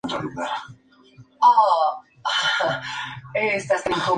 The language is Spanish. Hoy es un día hermoso".